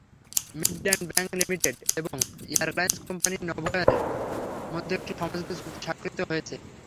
Midland bank limited এবং airlines company নভোএয়ারের মধ্যে একটি সমঝোতা চুক্তি স্বাক্ষরিত হয়েছে।